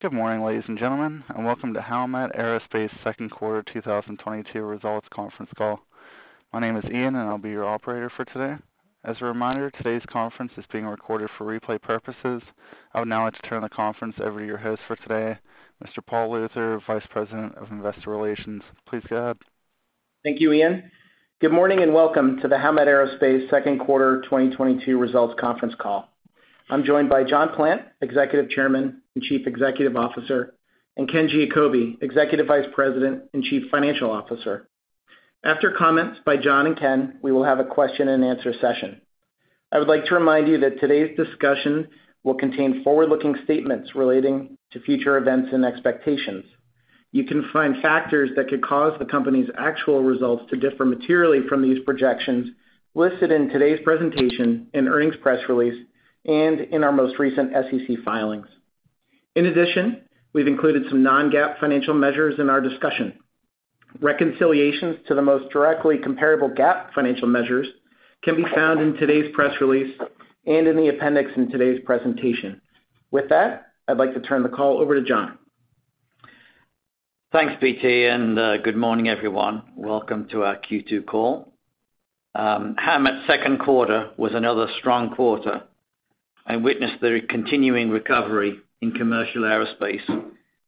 Good morning, ladies and gentlemen, and welcome to Howmet Aerospace second quarter 2022 results conference call. My name is Ian, and I'll be your operator for today. As a reminder, today's conference is being recorded for replay purposes. I would now like to turn the conference over to your host for today, Mr. Paul Luther, Vice President of Investor Relations. Please go ahead. Thank you, Ian. Good morning, and welcome to the Howmet Aerospace second quarter 2022 results conference call. I'm joined by John Plant, Executive Chairman and Chief Executive Officer, and Ken Giacobbe, Executive Vice President and Chief Financial Officer. After comments by John and Ken, we will have a question and answer session. I would like to remind you that today's discussion will contain forward-looking statements relating to future events and expectations. You can find factors that could cause the company's actual results to differ materially from these projections listed in today's presentation, in earnings press release, and in our most recent SEC filings. In addition, we've included some non-GAAP financial measures in our discussion. Reconciliations to the most directly comparable GAAP financial measures can be found in today's press release and in the appendix in today's presentation. With that, I'd like to turn the call over to John. Thanks, PT, and good morning, everyone. Welcome to our Q2 call. Howmet's second quarter was another strong quarter and witnessed the continuing recovery in commercial aerospace,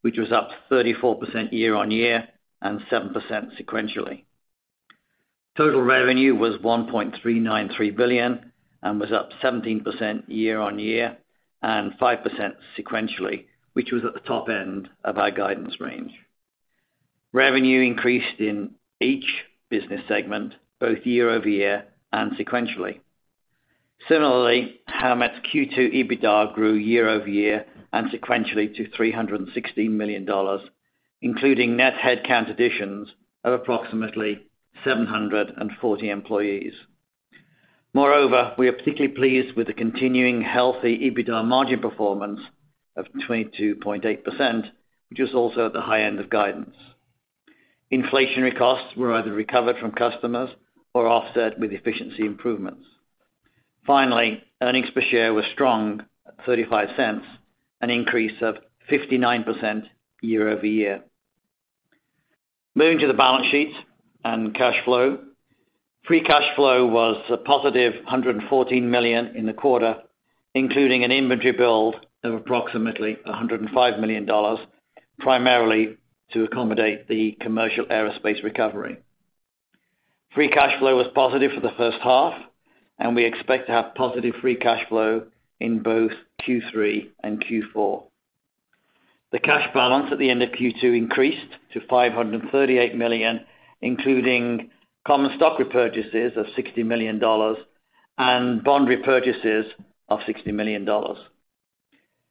which was up 34% year-over-year and 7% sequentially. Total revenue was $1.393 billion and was up 17% year-over-year and 5% sequentially, which was at the top end of our guidance range. Revenue increased in each business segment, both year-over-year and sequentially. Similarly, Howmet's Q2 EBITDA grew year-over-year and sequentially to $360 million, including net headcount additions of approximately 740 employees. Moreover, we are particularly pleased with the continuing healthy EBITDA margin performance of 22.8%, which is also at the high end of guidance. Inflationary costs were either recovered from customers or offset with efficiency improvements. Finally, earnings per share were strong at $0.35, an increase of 59% year-over-year. Moving to the balance sheet and cash flow, free cash flow was a +$114 million in the quarter, including an inventory build of approximately $105 million, primarily to accommodate the commercial aerospace recovery. Free cash flow was positive for the first half, and we expect to have positive free cash flow in both Q3 and Q4. The cash balance at the end of Q2 increased to $538 million, including common stock repurchases of $60 million and bond repurchases of $60 million.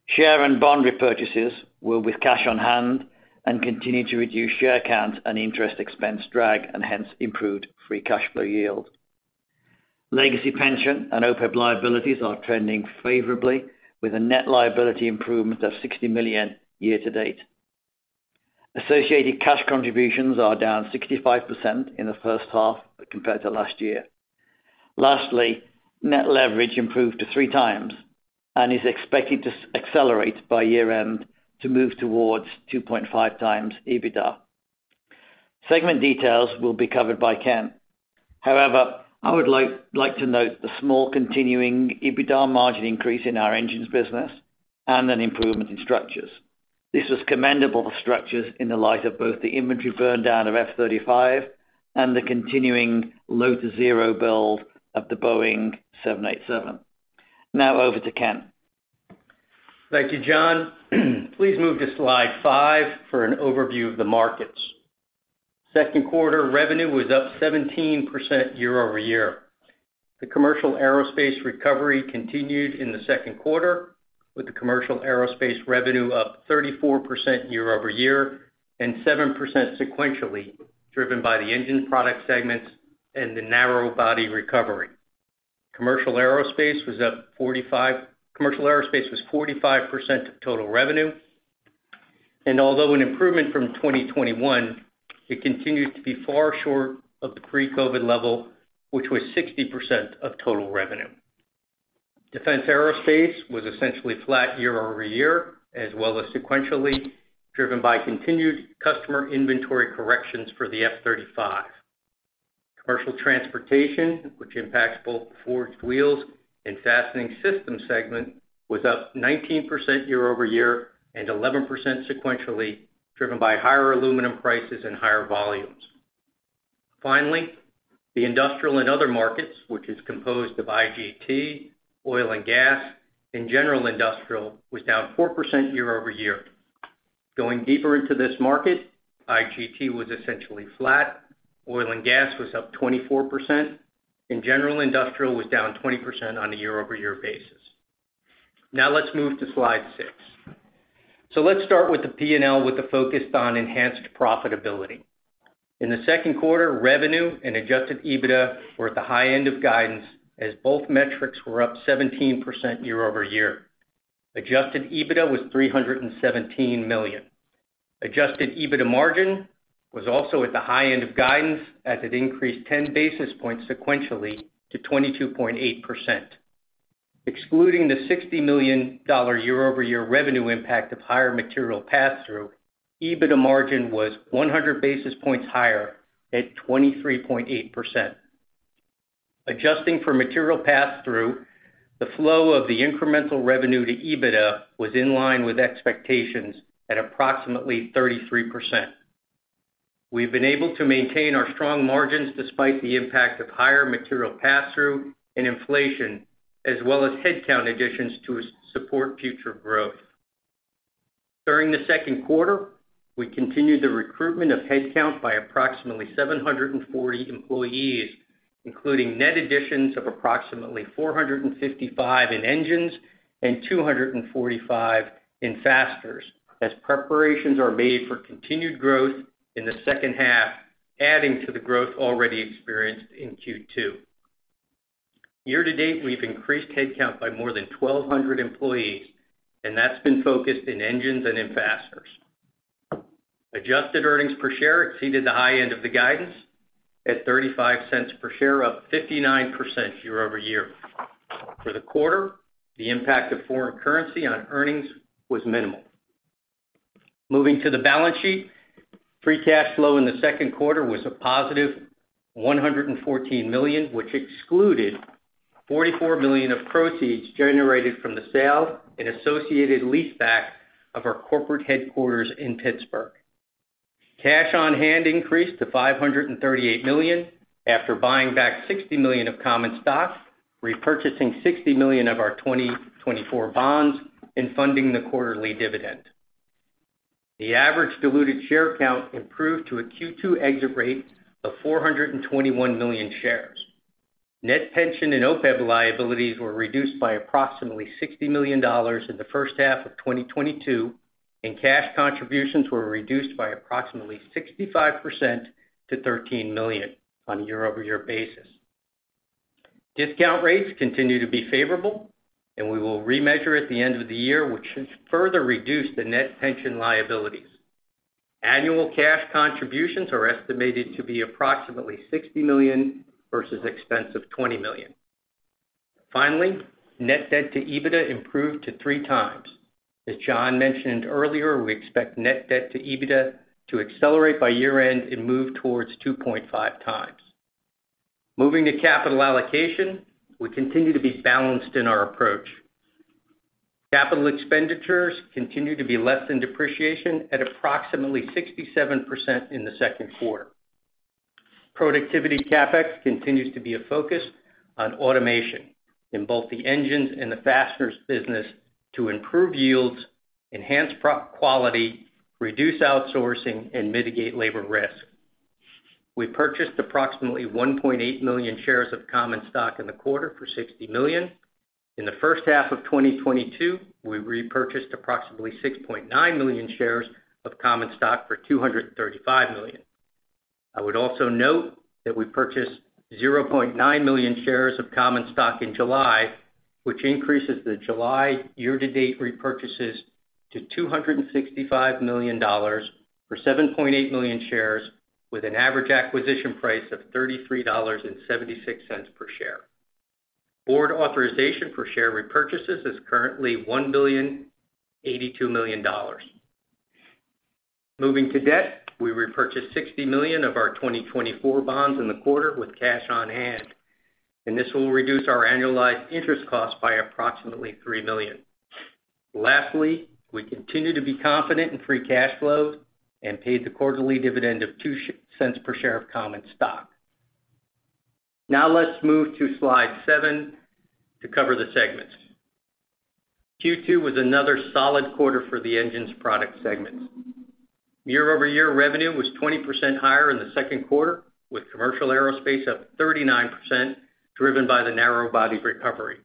Share and bond repurchases were with cash on hand and continue to reduce share count and interest expense drag, and hence improved free cash flow yield. Legacy pension and OPEB liabilities are trending favorably with a net liability improvement of $60 million year-to-date. Associated cash contributions are down 65% in the first half compared to last year. Lastly, net leverage improved to 3x and is expected to accelerate by year-end to move towards 2.5x EBITDA. Segment details will be covered by Ken. However, I would like to note the small continuing EBITDA margin increase in our engines business and an improvement in structures. This was commendable for structures in the light of both the inventory burn down of F-35 and the continuing low to zero build of the Boeing 787. Now over to Ken. Thank you, John. Please move to slide five for an overview of the markets. Second quarter revenue was up 17% year-over-year. The commercial aerospace recovery continued in the second quarter, with the commercial aerospace revenue up 34% year-over-year and 7% sequentially, driven by the Engine Products segments and the narrow-body recovery. Commercial aerospace was 45% of total revenue, and although an improvement from 2021, it continued to be far short of the pre-COVID level, which was 60% of total revenue. Defense aerospace was essentially flat year-over-year as well as sequentially, driven by continued customer inventory corrections for the F-35. Commercial transportation, which impacts both Forged Wheels and Fastening Systems segments, was up 19% year-over-year and 11% sequentially, driven by higher aluminum prices and higher volumes. Finally, the industrial and other markets, which is composed of IGT, oil and gas, and general industrial, was down 4% year-over-year. Going deeper into this market, IGT was essentially flat, oil and gas was up 24%, and general industrial was down 20% on a year-over-year basis. Now let's move to slide six. Let's start with the P&L with the focus on enhanced profitability. In the second quarter, revenue and adjusted EBITDA were at the high end of guidance as both metrics were up 17% year-over-year. Adjusted EBITDA was $317 million. Adjusted EBITDA margin was also at the high end of guidance, as it increased ten basis points sequentially to 22.8%. Excluding the $60 million year-over-year revenue impact of higher material pass-through, EBITDA margin was 100 basis points higher at 23.8%. Adjusting for material pass-through, the flow of the incremental revenue to EBITDA was in line with expectations at approximately 33%. We've been able to maintain our strong margins despite the impact of higher material pass-through and inflation, as well as headcount additions to support future growth. During the second quarter, we continued the recruitment of headcount by approximately 740 employees, including net additions of approximately 455 in engines and 245 in fasteners, as preparations are made for continued growth in the second half, adding to the growth already experienced in Q2. Year-to-date, we've increased headcount by more than 1,200 employees, and that's been focused in engines and in fasteners. Adjusted earnings per share exceeded the high end of the guidance at $0.35 per share, up 59% year-over-year. For the quarter, the impact of foreign currency on earnings was minimal. Moving to the balance sheet. Free cash flow in the second quarter was a +$114 million, which excluded $44 million of proceeds generated from the sale and associated leaseback of our corporate headquarters in Pittsburgh. Cash on hand increased to $538 million after buying back $60 million of common stock, repurchasing $60 million of our 2024 bonds, and funding the quarterly dividend. The average diluted share count improved to a Q2 exit rate of 421 million shares. Net pension and OPEB liabilities were reduced by approximately $60 million in the first half of 2022, and cash contributions were reduced by approximately 65% to $13 million on a year-over-year basis. Discount rates continue to be favorable, and we will remeasure at the end of the year, which should further reduce the net pension liabilities. Annual cash contributions are estimated to be approximately $60 million versus expense of $20 million. Finally, net debt to EBITDA improved to 3x. As John mentioned earlier, we expect net debt to EBITDA to accelerate by year-end and move towards 2.5x. Moving to capital allocation. We continue to be balanced in our approach. Capital expenditures continue to be less than depreciation at approximately 67% in the second quarter. Productivity CapEx continues to be a focus on automation in both the engines and the fasteners business to improve yields, enhance quality, reduce outsourcing, and mitigate labor risk. We purchased approximately 1.8 million shares of common stock in the quarter for $60 million. In the first half of 2022, we repurchased approximately 6.9 million shares of common stock for $235 million. I would also note that we purchased 0.9 million shares of common stock in July, which increases the July year-to-date repurchases to $265 million or 7.8 million shares, with an average acquisition price of $33.76 per share. Board authorization for share repurchases is currently $1.082 billion. Moving to debt. We repurchased $60 million of our 2024 bonds in the quarter with cash on hand, and this will reduce our annualized interest cost by approximately $3 million. Lastly, we continue to be confident in free cash flow and paid the quarterly dividend of $0.02 per share of common stock. Now let's move to slide seven to cover the segments. Q2 was another solid quarter for the Engines Product segment. Year-over-year revenue was 20% higher in the second quarter, with commercial aerospace up 39%, driven by the narrow-body recovery.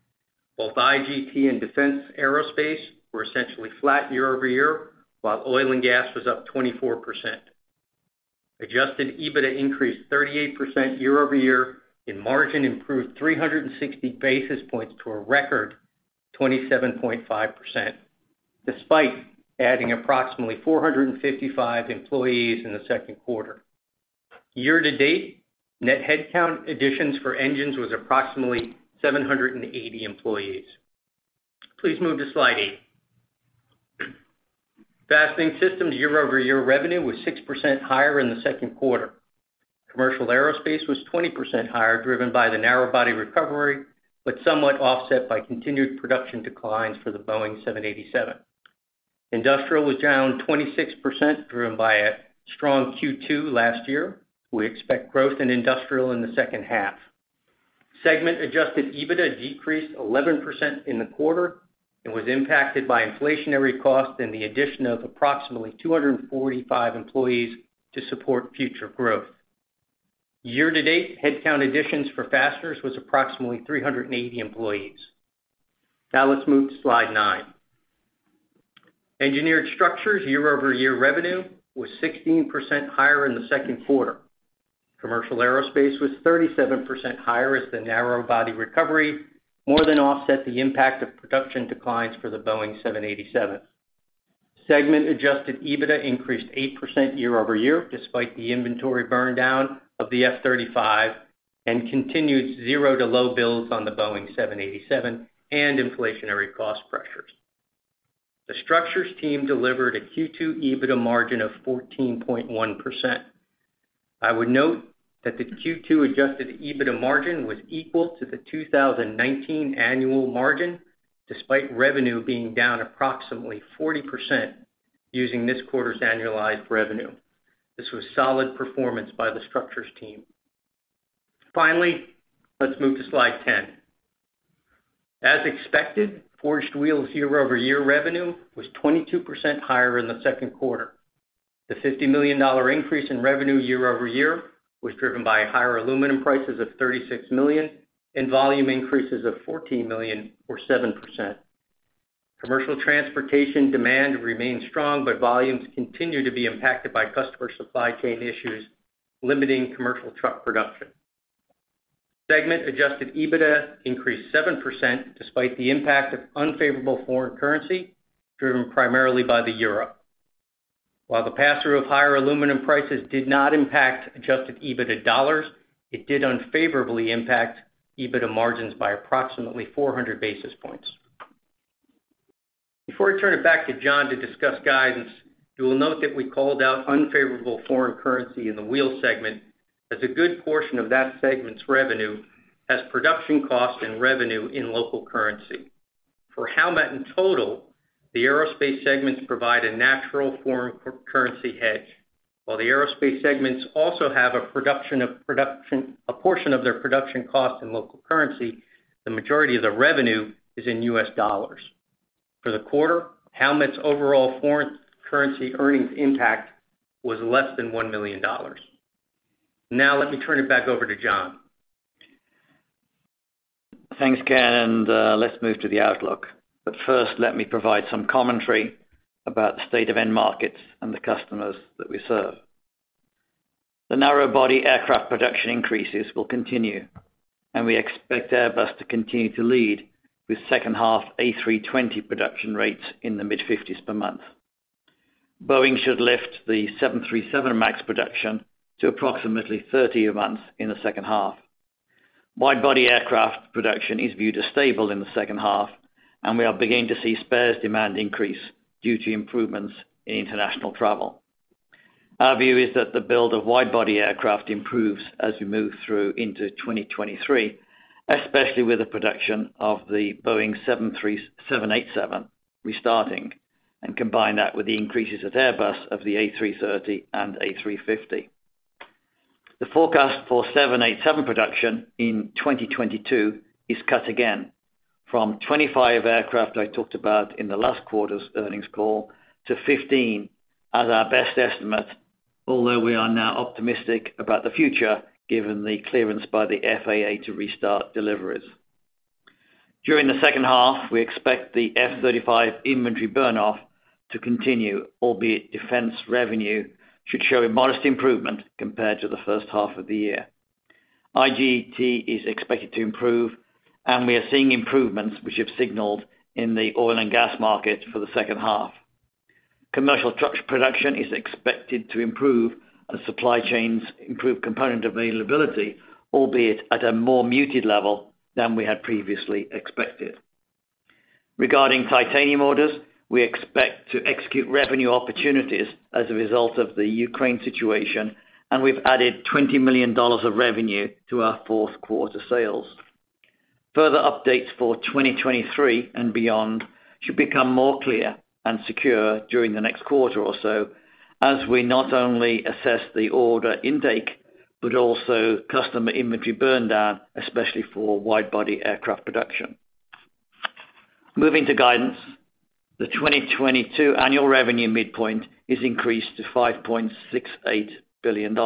Both IGT and defense aerospace were essentially flat year-over-year, while oil and gas was up 24%. Adjusted EBITDA increased 38% year-over-year, and margin improved 360 basis points to a record 27.5%, despite adding approximately 455 employees in the second quarter. Year-to-date, net headcount additions for engines was approximately 780 employees. Please move to slide eight. Fastening Systems year-over-year revenue was 6% higher in the second quarter. Commercial aerospace was 20% higher, driven by the narrow-body recovery, but somewhat offset by continued production declines for the Boeing 787. Industrial was down 26%, driven by a strong Q2 last year. We expect growth in industrial in the second half. Segment adjusted EBITDA decreased 11% in the quarter and was impacted by inflationary costs and the addition of approximately 245 employees to support future growth. Year-to-date headcount additions for fasteners was approximately 380 employees. Now let's move to slide nine. Engineered Structures year-over-year revenue was 16% higher in the second quarter. Commercial aerospace was 37% higher as the narrow-body recovery more than offset the impact of production declines for the Boeing 787. Segment adjusted EBITDA increased 8% year-over-year despite the inventory burn down of the F-35 and continued zero to low builds on the Boeing 787 and inflationary cost pressures. The structures team delivered a Q2 EBITDA margin of 14.1%. I would note that the Q2 adjusted EBITDA margin was equal to the 2019 annual margin, despite revenue being down approximately 40% using this quarter's annualized revenue. This was solid performance by the structures team. Finally, let's move to slide 10. As expected, Forged Wheels year-over-year revenue was 22% higher in the second quarter. The $50 million increase in revenue year-over-year was driven by higher aluminum prices of $36 million and volume increases of $14 million or 7%. Commercial transportation demand remains strong, but volumes continue to be impacted by customer supply chain issues limiting commercial truck production. Segment adjusted EBITDA increased 7% despite the impact of unfavorable foreign currency, driven primarily by the euro. While the pass-through of higher aluminum prices did not impact adjusted EBITDA dollars, it did unfavorably impact EBITDA margins by approximately 400 basis points. Before I turn it back to John to discuss guidance, you will note that we called out unfavorable foreign currency in the wheel segment as a good portion of that segment's revenue has production costs and revenue in local currency. For Howmet in total, the Aerospace segments provide a natural foreign currency hedge. While the Aerospace segments also have a portion of their production cost in local currency, the majority of the revenue is in U.S. dollars. For the quarter, Howmet's overall foreign currency earnings impact was less than $1 million. Now let me turn it back over to John. Thanks, Ken, and let's move to the outlook. First, let me provide some commentary about the state of end markets and the customers that we serve. The narrow-body aircraft production increases will continue, and we expect Airbus to continue to lead with second half A320 production rates in the mid-50s per month. Boeing should lift the 737 MAX production to approximately 30 a month in the second half. Wide-body aircraft production is viewed as stable in the second half, and we are beginning to see spares demand increase due to improvements in international travel. Our view is that the build of wide-body aircraft improves as we move through into 2023, especially with the production of the Boeing 787 restarting and combine that with the increases at Airbus of the A330 and A350. The forecast for 787 production in 2022 is cut again from 25 aircraft I talked about in the last quarter's earnings call to 15 as our best estimate, although we are now optimistic about the future given the clearance by the FAA to restart deliveries. During the second half, we expect the F-35 inventory burn off to continue, albeit defense revenue should show a modest improvement compared to the first half of the year. IGT is expected to improve, and we are seeing improvements which have signaled in the oil and gas market for the second half. Commercial trucks production is expected to improve as supply chains improve component availability, albeit at a more muted level than we had previously expected. Regarding titanium orders, we expect to execute revenue opportunities as a result of the Ukraine situation, and we've added $20 million of revenue to our fourth quarter sales. Further updates for 2023 and beyond should become more clear and secure during the next quarter or so as we not only assess the order intake, but also customer inventory burn down, especially for wide-body aircraft production. Moving to guidance, the 2022 annual revenue midpoint is increased to $5.68 billion,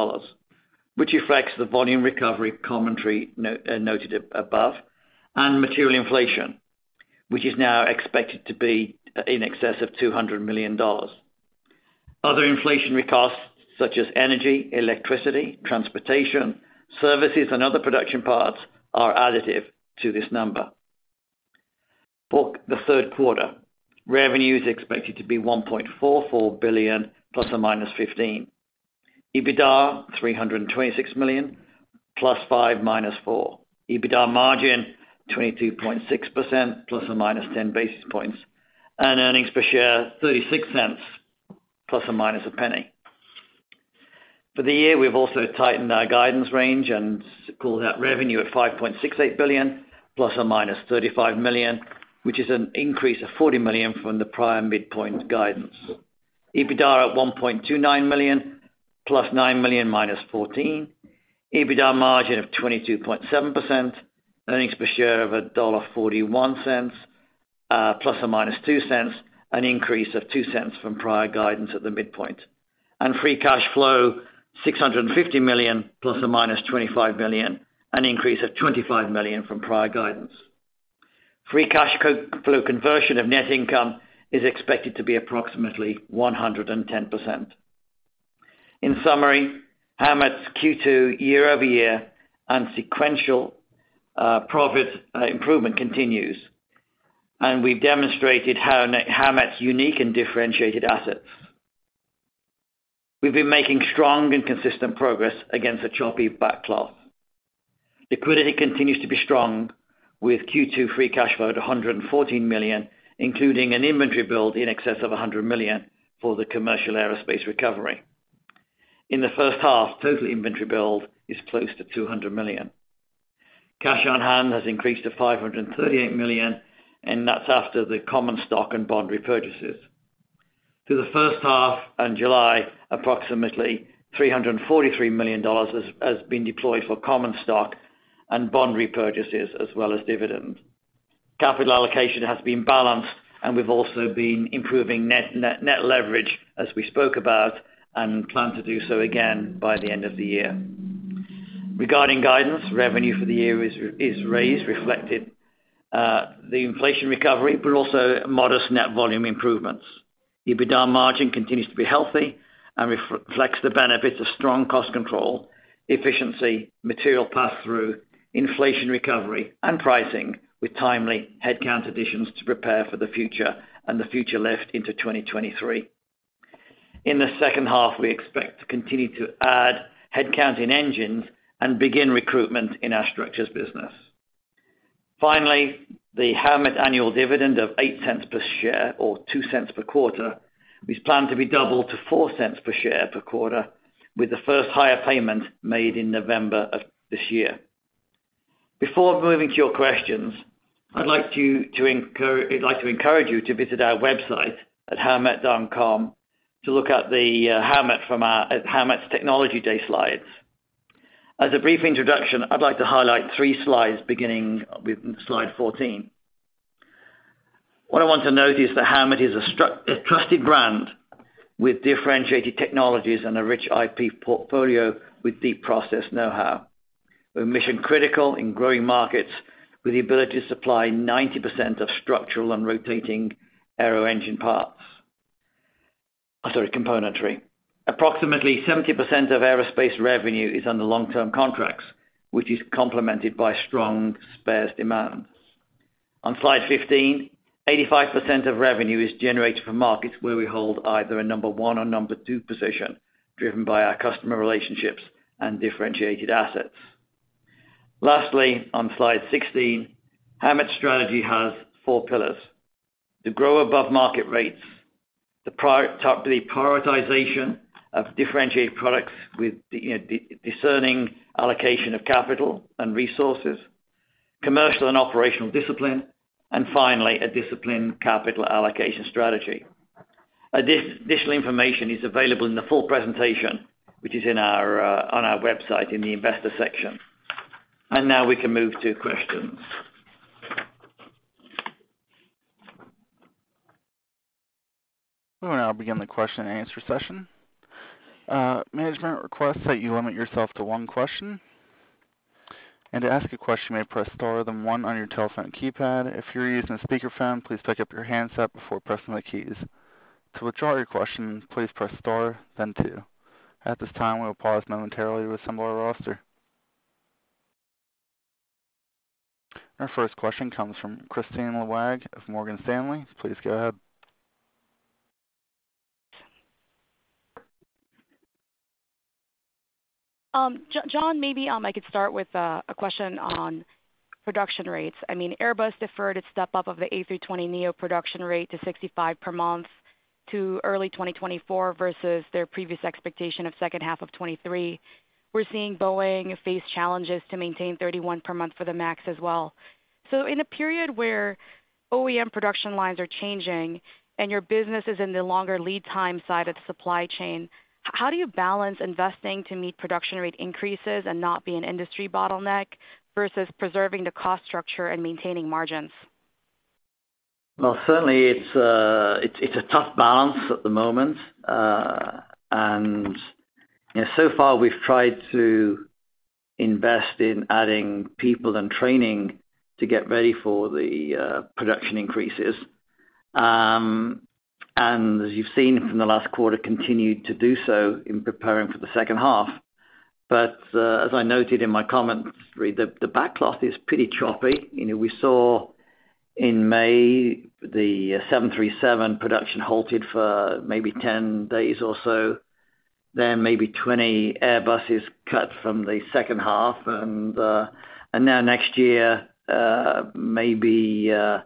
which reflects the volume recovery commentary noted above, and material inflation, which is now expected to be in excess of $200 million. Other inflationary costs such as energy, electricity, transportation, services, and other production parts are additive to this number. For the third quarter, revenue is expected to be $1.44 billion ±$15 million. EBITDA, $326 million +$5 million -$4 million. EBITDA margin, 22.6% ±10 basis points. Earnings per share, $0.36 ±$0.01. For the year, we've also tightened our guidance range and called out revenue at $5.68 billion ±$35 million, which is an increase of $40 million from the prior midpoint guidance. EBITDA at $1.29 billion +$9 million -$14 million. EBITDA margin of 22.7%. Earnings per share of $1.41, ±$0.02, an increase of $0.02 from prior guidance at the midpoint. Free cash flow $650 million ±$25 million, an increase of $25 million from prior guidance. Free cash flow conversion of net income is expected to be approximately 110%. In summary, Howmet's Q2 year-over-year and sequential profit improvement continues, and we've demonstrated Howmet's unique and differentiated assets. We've been making strong and consistent progress against a choppy backlog. Liquidity continues to be strong, with Q2 free cash flow at $114 million, including an inventory build in excess of $100 million for the commercial aerospace recovery. In the first half, total inventory build is close to $200 million. Cash on hand has increased to $538 million, and that's after the common stock and bond repurchases. Through the first half and July, approximately $343 million has been deployed for common stock and bond repurchases as well as dividends. Capital allocation has been balanced, and we've also been improving net leverage, as we spoke about, and plan to do so again by the end of the year. Regarding guidance, revenue for the year is raised, reflecting the inflation recovery, but also modest net volume improvements. EBITDA margin continues to be healthy and reflects the benefits of strong cost control, efficiency, material pass-through, inflation recovery, and pricing, with timely headcount additions to prepare for the future and the future leading into 2023. In the second half, we expect to continue to add headcount in engines and begin recruitment in our structures business. Finally, the Howmet annual dividend of $0.08 per share or $0.02 per quarter is planned to be doubled to $0.04 per share per quarter, with the first higher payment made in November of this year. Before moving to your questions, I'd like to encourage you to visit our website at howmet.com to look at the Howmet's Technology Day slides. As a brief introduction, I'd like to highlight three slides, beginning with slide 14. What I want to note is that Howmet is a trusted brand with differentiated technologies and a rich IP portfolio with deep process know-how. We're mission-critical in growing markets with the ability to supply 90% of structural and rotating aero-engine parts. I'm sorry, componentry. Approximately 70% of aerospace revenue is under long-term contracts, which is complemented by strong spares demand. On slide 15, 85% of revenue is generated for markets where we hold either a number one or number two position, driven by our customer relationships and differentiated assets. Lastly, on slide 16, Howmet's strategy has four pillars to grow above market rates, the prioritization of differentiated products with the discerning allocation of capital and resources, commercial and operational discipline, and finally, a disciplined capital allocation strategy. Additional information is available in the full presentation, which is on our website in the investor section. Now we can move to questions. We will now begin the question and answer session. Management requests that you limit yourself to one question. To ask a question, you may press star then one on your telephone keypad. If you're using a speakerphone, please pick up your handset before pressing the keys. To withdraw your question, please press star then two. At this time, we will pause momentarily to assemble our roster. Our first question comes from Kristine Liwag of Morgan Stanley. Please go ahead. John, maybe I could start with a question on production rates. I mean, Airbus deferred its step up of the A320neo production rate to 65 per month to early 2024 versus their previous expectation of second half of 2023. We're seeing Boeing face challenges to maintain 31 per month for the MAX as well. In a period where OEM production lines are changing and your business is in the longer-lead-time side of the supply chain, how do you balance investing to meet production rate increases and not be an industry bottleneck versus preserving the cost structure and maintaining margins? Well, certainly it's a tough balance at the moment. You know, so far we've tried to invest in adding people and training to get ready for the production increases. As you've seen from the last quarter, continued to do so in preparing for the second half. As I noted in my comments, the backlog is pretty choppy. You know, we saw in May, the 737 production halted for maybe 10 days or so. Then maybe 20 Airbuses cut from the second half. Now next year, maybe a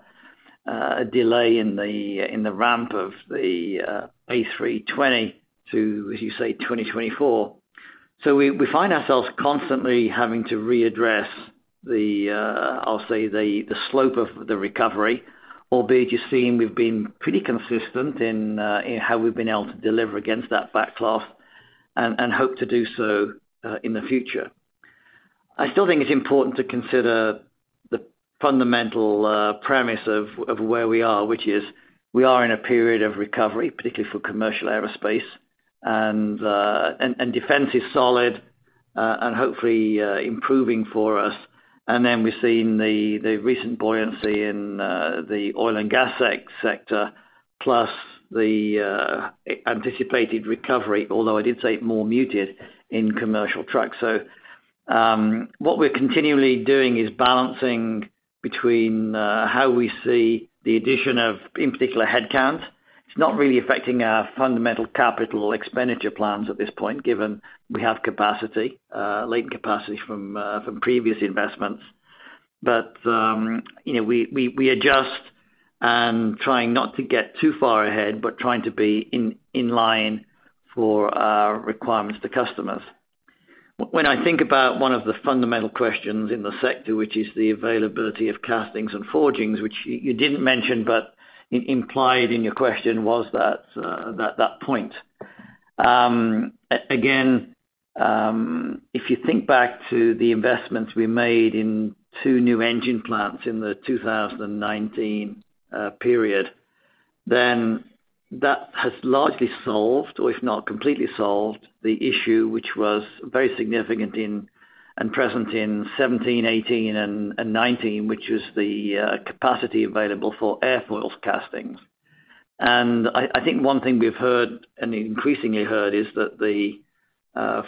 delay in the ramp of the A320 to, as you say, 2024. We find ourselves constantly having to readdress the, I'll say, the slope of the recovery, albeit you've seen we've been pretty consistent in how we've been able to deliver against that backlog and hope to do so in the future. I still think it's important to consider the fundamental premise of where we are, which is we are in a period of recovery, particularly for commercial aerospace, and defense is solid, and hopefully improving for us. We're seeing the recent buoyancy in the oil and gas sector, plus the anticipated recovery, although I did say more muted in commercial trucks. What we're continually doing is balancing between how we see the addition of, in particular, headcount. It's not really affecting our fundamental capital expenditure plans at this point, given we have capacity, latent capacity from previous investments. You know, we adjust and trying not to get too far ahead, but trying to be in line for our requirements to customers. When I think about one of the fundamental questions in the sector, which is the availability of castings and forgings, which you didn't mention, but implied in your question, was that point. Again, if you think back to the investments we made in two new engine plants in the 2019 period, then that has largely solved, or if not completely solved, the issue, which was very significant and present in 2017, 2018, and 2019, which was the capacity available for airfoil castings. I think one thing we've heard, and increasingly heard, is that the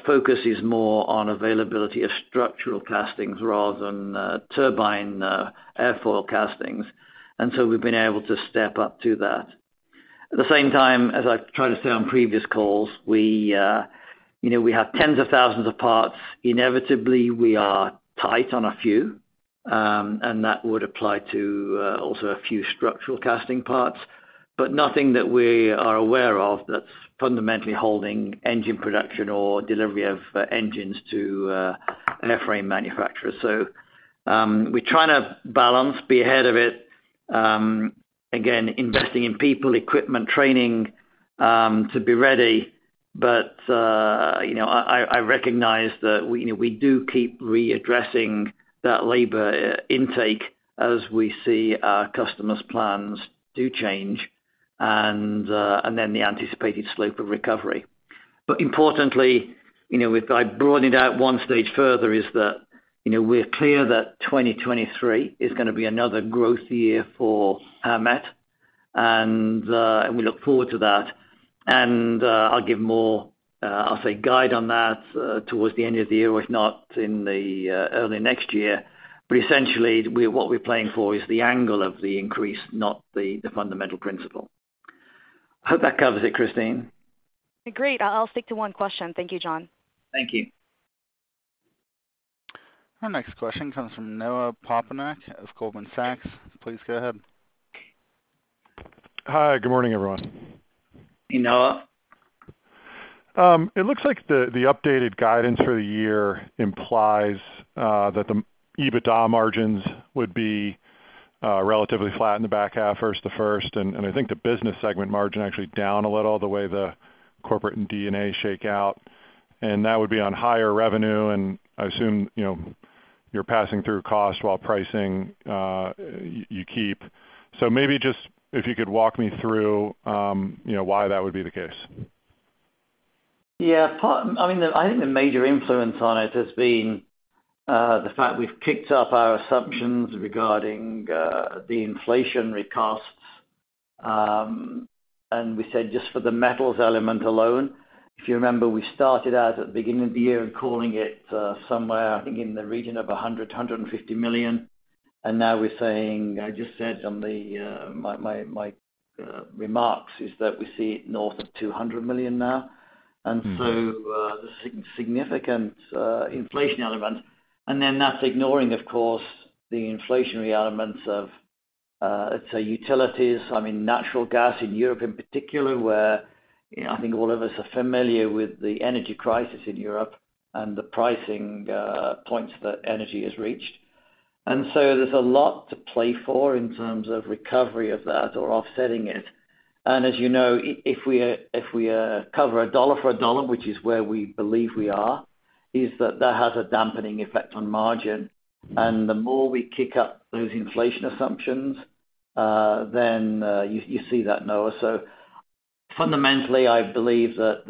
focus is more on availability of structural castings rather than turbine airfoil castings. We've been able to step up to that. At the same time, as I've tried to say on previous calls, you know, we have tens of thousands of parts. Inevitably, we are tight on a few, and that would apply to also a few structural casting parts, but nothing that we are aware of that's fundamentally holding engine production or delivery of engines to an airframe manufacturer. We're trying to balance, be ahead of it, again, investing in people, equipment, training, to be ready. I recognize that we you know we do keep readdressing that labor intake as we see our customers' plans do change and then the anticipated slope of recovery. Importantly, you know, if I broaden it out one stage further is that, you know, we're clear that 2023 is gonna be another growth year for Howmet, and we look forward to that. I'll give more guidance on that towards the end of the year, if not in the early next year. Essentially, what we're playing for is the angle of the increase, not the fundamental principle. I hope that covers it, Kristine. Great. I'll stick to one question. Thank you, John. Thank you. Our next question comes from Noah Poponak of Goldman Sachs. Please go ahead. Hi, good morning, everyone. Hey, Noah. It looks like the updated guidance for the year implies that the EBITDA margins would be relatively flat in the back half versus the first, and I think the business segment margin actually down a little the way the corporate and D&A shake out, and that would be on higher revenue, and I assume, you know, you're passing through costs while pricing you keep. Maybe just if you could walk me through, you know, why that would be the case. Yeah. I mean, I think the major influence on it has been the fact we've kicked up our assumptions regarding the inflationary costs, and we said just for the metals element alone, if you remember, we started out at the beginning of the year calling it somewhere I think in the region of $150 million, and now we're saying, I just said on my remarks, is that we see it north of $200 million now. Mm-hmm. The significant inflation element. That's ignoring, of course, the inflationary elements of, let's say, utilities, I mean, natural gas in Europe in particular, where, you know, I think all of us are familiar with the energy crisis in Europe and the pricing points that energy has reached. There's a lot to play for in terms of recovery of that or offsetting it. As you know, if we cover a dollar for a dollar, which is where we believe we are, that has a dampening effect on margin. The more we kick up those inflation assumptions, then you see that, Noah. Fundamentally, I believe that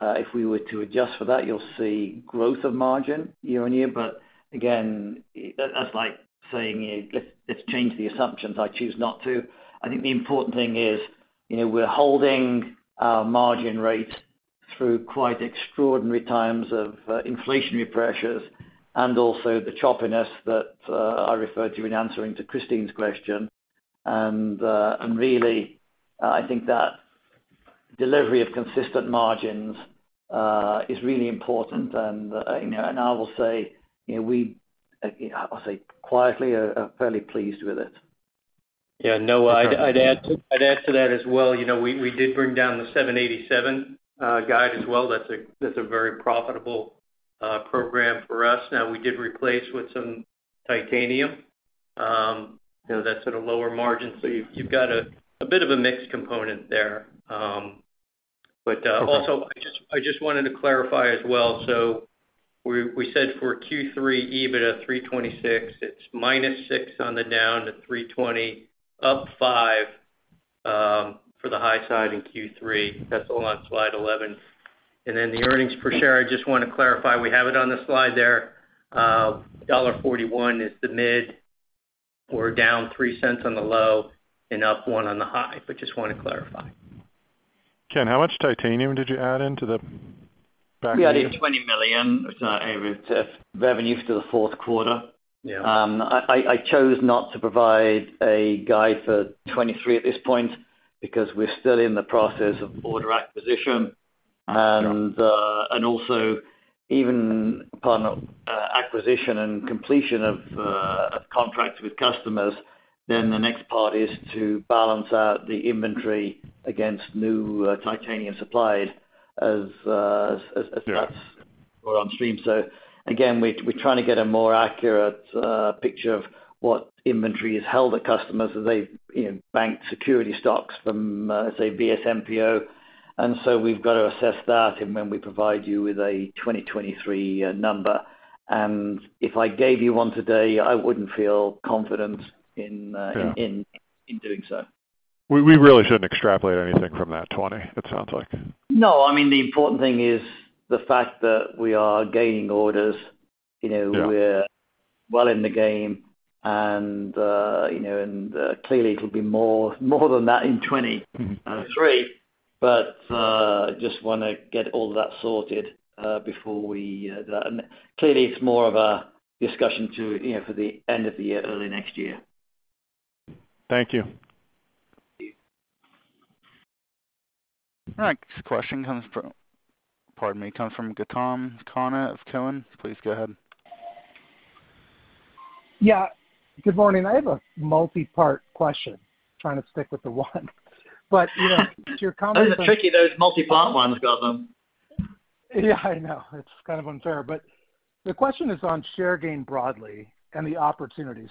if we were to adjust for that, you'll see growth of margin year-over-year. Again, that's like saying, you know, let's change the assumptions. I choose not to. I think the important thing is, you know, we're holding our margin rates through quite extraordinary times of inflationary pressures and also the choppiness that I referred to in answering to Kristine's question. Really, I think that delivery of consistent margins is really important. You know, I will say, you know, we, I'll say quietly are fairly pleased with it. Yeah. Noah, I'd add to that as well. You know, we did bring down the 787 guide as well. That's a very profitable program for us. Now, we did replace with some titanium, you know, that's at a lower margin. So you've got a bit of a mixed component there. Also, I just wanted to clarify as well. We said for Q3 EBITDA $326, it's -$6 on the downside to $320, up $5. For the high side in Q3. That's all on slide 11. The earnings per share, I just wanna clarify, we have it on the slide there. $1.41 is the mid. We're down $0.03 on the low and up 0.01 on the high. Just wanna clarify. Ken, how much titanium did you add into the back end? We added $20 million of titanium revenue for the fourth quarter. Yeah. I chose not to provide a guide for 2023 at this point because we're still in the process of order acquisition. Also, even upon acquisition and completion of contracts with customers, then the next part is to balance out the inventory against new titanium supplied as Yeah. on stream. We're trying to get a more accurate picture of what inventory is held at customers as they, you know, bank security stocks from, say, VSMPO-AVISMA. We've got to assess that and when we provide you with a 2023 number. If I gave you one today, I wouldn't feel confident in. Yeah. in doing so. We really shouldn't extrapolate anything from that 20, it sounds like. No. I mean, the important thing is the fact that we are gaining orders. You know. Yeah. We're well in the game and, you know, clearly it'll be more than that in 20- Mm-hmm. Three. Just wanna get all that sorted before we. Clearly it's more of a discussion to, you know, for the end of the year, early next year. Thank you. Thank you. Our next question comes from Gautam Khanna of Cowen. Please go ahead. Yeah, good morning. I have a multi-part question. You know, to your comments on- Those are tricky, those multi-part ones, Gautam. Yeah, I know. It's kind of unfair, but the question is on share gain broadly and the opportunity.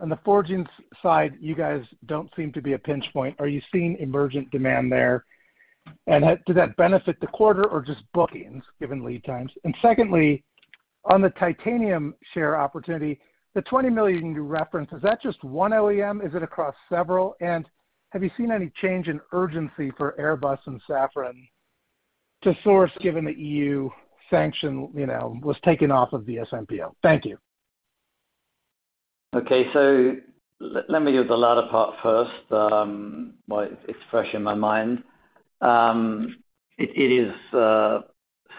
On the forgings side, you guys don't seem to be a pinch point. Are you seeing emerging demand there? Did that benefit the quarter or just bookings given lead times? Secondly, on the titanium share opportunity, the $20 million you reference, is that just one OEM? Is it across several? Have you seen any change in urgency for Airbus and Safran to source given the EU sanction, you know, was taken off of VSMPO-AVISMA? Thank you. Okay, let me do the latter part first, while it's fresh in my mind. It is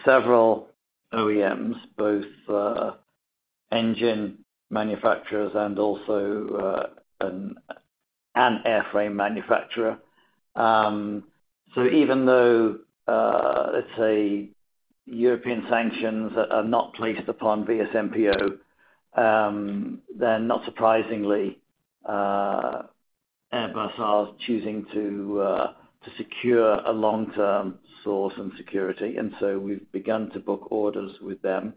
several OEMs, both engine manufacturers and also an airframe manufacturer. Even though let's say European sanctions are not placed upon VSMPO-AVISMA, then not surprisingly, Airbus are choosing to secure a long-term source and security. We've begun to book orders with them.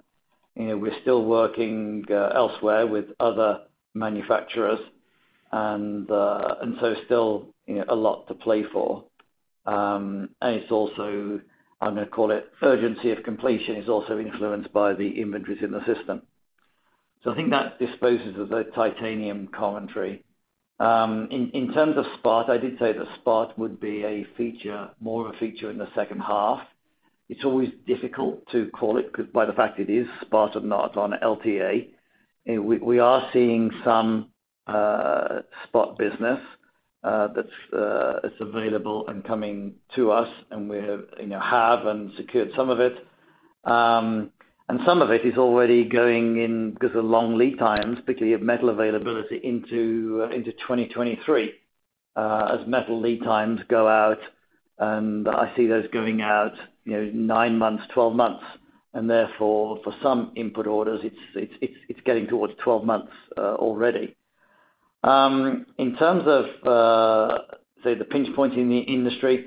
You know, we're still working elsewhere with other manufacturers and so still, you know, a lot to play for. It's also, I'm gonna call it urgency of completion is also influenced by the inventories in the system. I think that disposes of the titanium commentary. In terms of spot, I did say that spot would be a feature, more of a feature in the second half. It's always difficult to call it by the fact it is spot or not on LTA. You know, we are seeing some spot business that's is available and coming to us and we have you know have and secured some of it. And some of it is already going in because of long lead times, particularly of metal availability into 2023, as metal lead times go out and I see those going out, you know, nine months, 12 months. Therefore for some input orders, it's getting towards 12 months already. In terms of say the pinch point in the industry,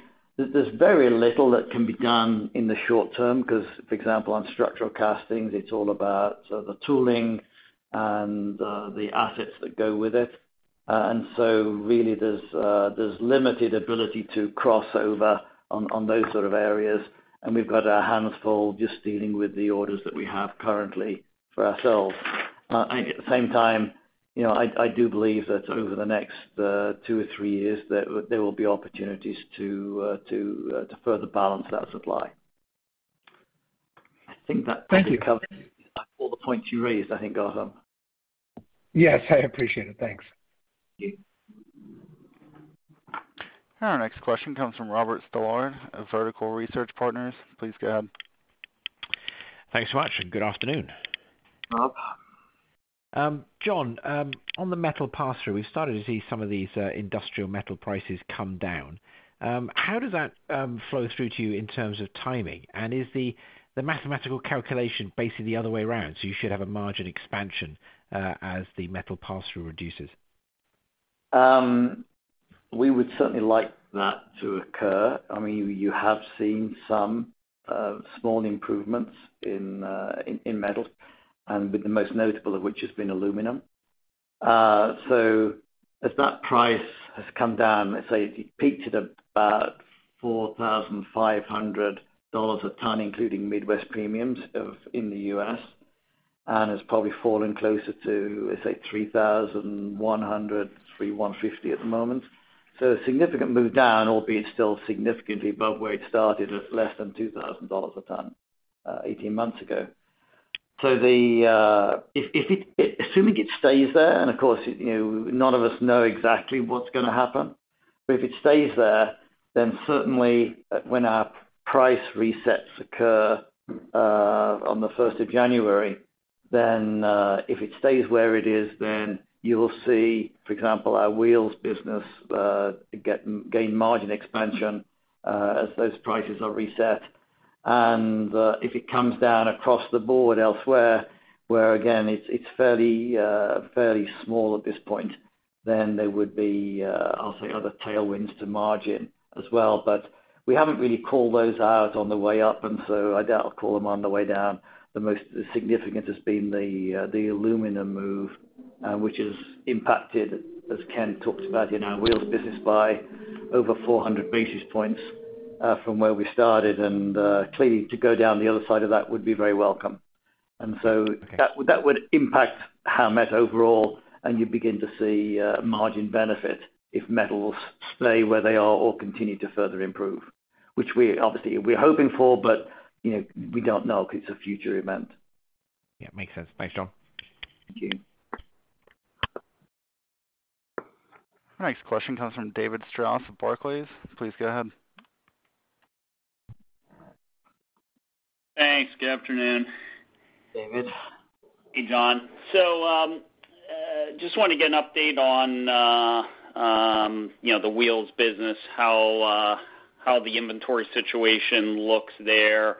there's very little that can be done in the short term because, for example, on structural castings, it's all about the tooling and the assets that go with it. Really, there's limited ability to cross over on those sort of areas. We've got our hands full just dealing with the orders that we have currently for ourselves. I think at the same time, you know, I do believe that over the next two or three years, there will be opportunities to further balance that supply. I think that. Thank you. All the points you raised, I think, Gautam. Yes, I appreciate it. Thanks. Thank you. Our next question comes from Robert Stallard of Vertical Research Partners. Please go ahead. Thanks so much, and good afternoon. Rob. John, on the metal pass-through, we've started to see some of these industrial metal prices come down. How does that flow through to you in terms of timing? Is the mathematical calculation basically the other way around? You should have a margin expansion as the metal pass-through reduces. We would certainly like that to occur. I mean, you have seen some small improvements in metals and with the most notable of which has been aluminum. As that price has come down, let's say it peaked at about $4,500 a ton, including Midwest premiums in the U.S. It's probably fallen closer to, let's say, $3,100-$3,150 at the moment. A significant move down, albeit still significantly above where it started at less than $2,000 a ton, 18 months ago. Assuming it stays there, and of course, you know, none of us know exactly what's gonna happen, but if it stays there, then certainly when our price resets occur on the first of January, then if it stays where it is, then you will see, for example, our wheels business gain margin expansion as those prices are reset. If it comes down across the board elsewhere, where again, it's fairly small at this point, then there would be, I'll say other tailwinds to margin as well. We haven't really called those out on the way up, and so I doubt I'll call them on the way down. The most significant has been the aluminum move, which has impacted, as Ken talked about in our wheels business, by over 400 basis points from where we started. Clearly to go down the other side of that would be very welcome. That would impact Howmet overall, and you begin to see margin benefit if metals stay where they are or continue to further improve, which we obviously are hoping for, but you know, we don't know because it's a future event. Yeah, makes sense. Thanks, John. Thank you. Our next question comes from David Strauss with Barclays. Please go ahead. Thanks. Good afternoon. David. Hey, John. Just wanna get an update on, you know, the wheels business, how the inventory situation looks there,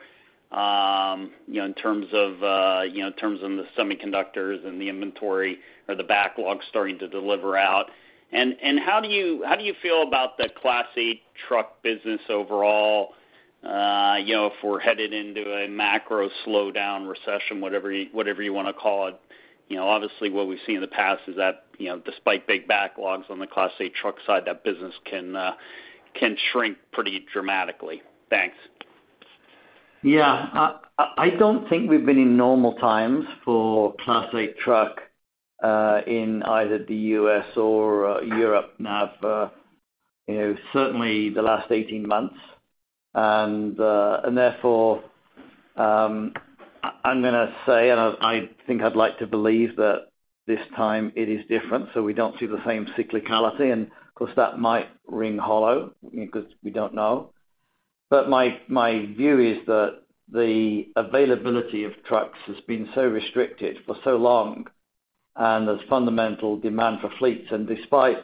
you know, in terms of the semiconductors and the inventory or the backlog starting to deliver out. How do you feel about the Class 8 truck business overall? You know, if we're headed into a macro slowdown recession, whatever you wanna call it, you know, obviously what we've seen in the past is that, you know, despite big backlogs on the Class 8 truck side, that business can shrink pretty dramatically. Thanks. I don't think we've been in normal times for Class 8 truck in either the U.S. or Europe now for, you know, certainly the last 18 months. I'm gonna say, and I think I'd like to believe that this time it is different, so we don't see the same cyclicality. Of course, that might ring hollow because we don't know. But my view is that the availability of trucks has been so restricted for so long, and there's fundamental demand for fleets. Despite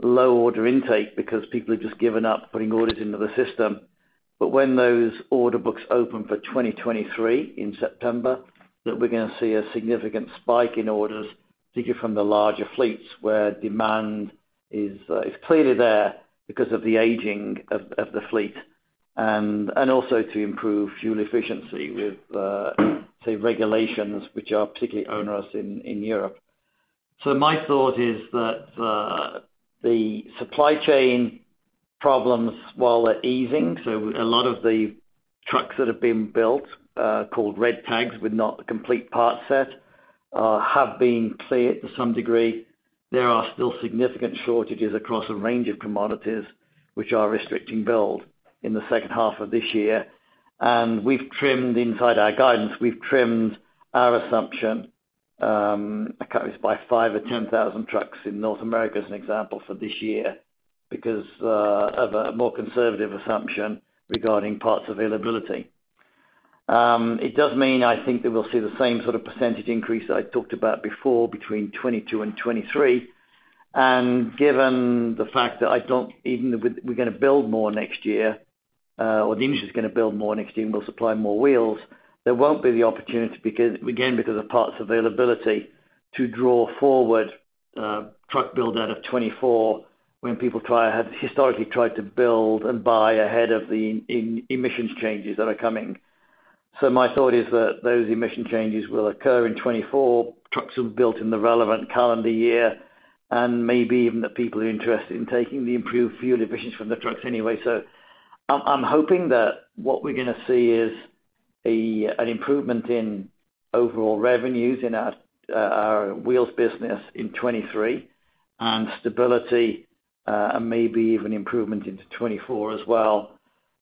low order intake because people have just given up putting orders into the system, but when those order books open for 2023 in September, that we're gonna see a significant spike in orders, particularly from the larger fleets where demand is clearly there because of the aging of the fleet and also to improve fuel efficiency with, say, regulations which are particularly onerous in Europe. My thought is that the supply chain problems, while they're easing, so a lot of the trucks that have been built, called red tags with not the complete part set, have been cleared to some degree. There are still significant shortages across a range of commodities which are restricting build in the second half of this year. We've trimmed our assumption by 5,000 or 10,000 trucks in North America, as an example, for this year because of a more conservative assumption regarding parts availability. It does mean, I think, that we'll see the same sort of percentage increase that I talked about before between 2022 and 2023. Given the fact that even if we're gonna build more next year, or the industry is gonna build more next year and we'll supply more wheels, there won't be the opportunity because again, because of parts availability to draw forward truck build out of 2024 when people have historically tried to build and buy ahead of the emissions changes that are coming. My thought is that those emissions changes will occur in 2024. Trucks will be built in the relevant calendar year and maybe even the people who are interested in taking the improved fuel emissions from the trucks anyway. I'm hoping that what we're gonna see is an improvement in overall revenues in our wheels business in 2023 and stability and maybe even improvement into 2024 as well.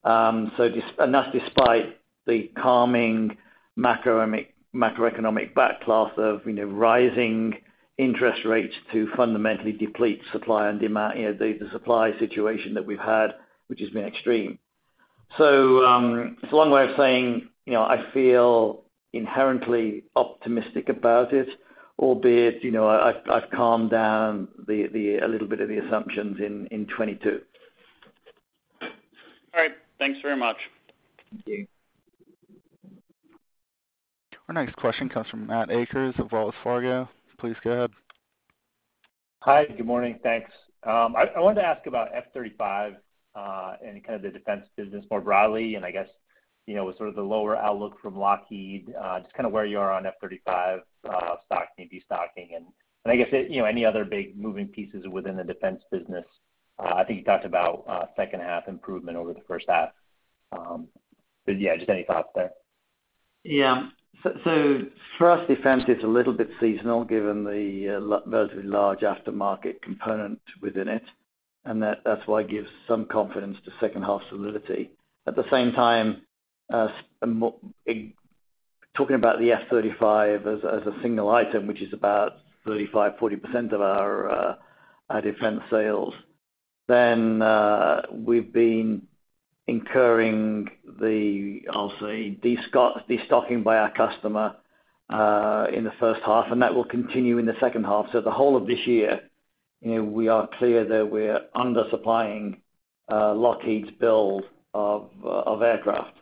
That's despite the challenging macroeconomic backdrop of rising interest rates that has fundamentally depleted supply and demand, the supply situation that we've had, which has been extreme. It's a long way of saying, I feel inherently optimistic about it, albeit I've calmed down a little bit of the assumptions in 2022. All right. Thanks very much. Thank you. Our next question comes from Matthew Akers of Wells Fargo. Please go ahead. Hi. Good morning. Thanks. I wanted to ask about F-35 and kind of the defense business more broadly. I guess, you know, with sort of the lower outlook from Lockheed, just kind of where you are on F-35 stock, maybe stocking and I guess, you know, any other big moving pieces within the defense business. I think you talked about second-half improvement over the first half. Yeah, just any thoughts there. Yeah. For us, defense is a little bit seasonal given the relatively large aftermarket component within it, and that's why it gives some confidence to second-half solidity. At the same time, talking about the F-35 as a single item, which is about 35%-40% of our defense sales, then we've been incurring the, I'll say, destocking by our customer in the first half, and that will continue in the second half. The whole of this year, you know, we are clear that we're under-supplying Lockheed's build of aircraft.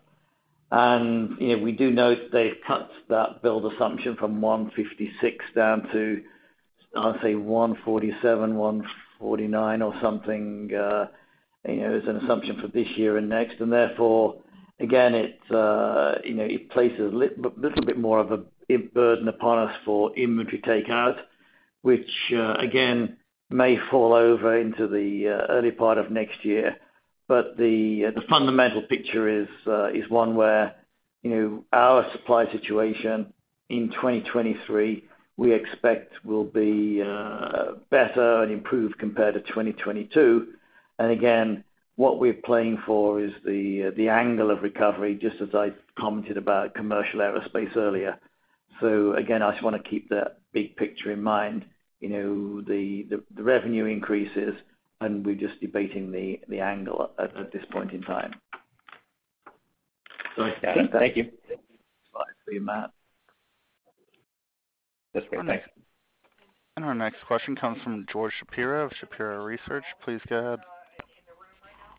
You know, we do note they've cut that build assumption from 156 down to, I'd say, 147-149 or something as an assumption for this year and next. Therefore, again, it's, you know, it places a little bit more of a burden upon us for inventory takeout, which, again, may fall over into the early part of next year. The fundamental picture is one where, you know, our supply situation in 2023, we expect will be better and improved compared to 2022. What we're playing for is the angle of recovery, just as I commented about commercial aerospace earlier. I just wanna keep that big picture in mind, you know, the revenue increases, and we're just debating the angle at this point in time. All right. Thank you. Bye. See you, Matt. That's great. Thanks. Our next question comes from George Shapiro of Shapiro Research. Please go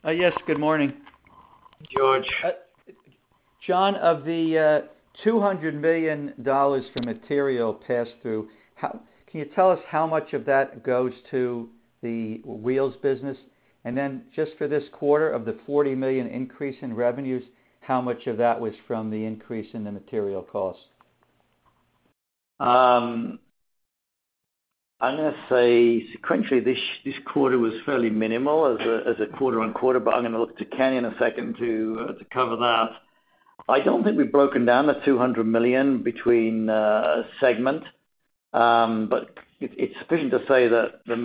ahead. Yes. Good morning. George. John, of the $200 million for material pass-through, can you tell us how much of that goes to the wheels business? Then just for this quarter, of the $40 million increase in revenues, how much of that was from the increase in the material cost? I'm gonna say sequentially, this quarter was fairly minimal as a quarter-over-quarter. I'm gonna look to Kenny in a second to cover that. I don't think we've broken down the $200 million between segments. It's sufficient to say that the